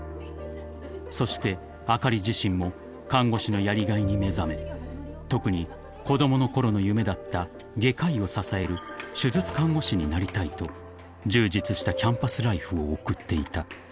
［そしてあかり自身も看護師のやりがいに目覚め特に子供のころの夢だった外科医を支える手術看護師になりたいと充実したキャンパスライフを送っていた］